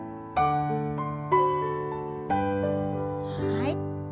はい。